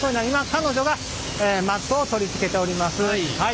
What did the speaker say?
彼女がマットを取り付けております。